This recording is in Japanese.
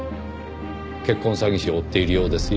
結婚詐欺師を追っているようですよ。